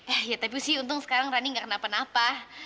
eh ya tapi sih untung sekarang running gak kenapa napa